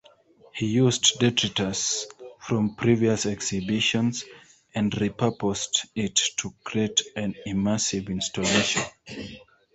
He used detritus from previous exhibitions and repurposed it to create an immersive installation.